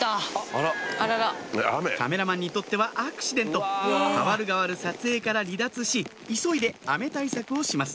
カメラマンにとってはアクシデント代わる代わる撮影から離脱し急いで雨対策をします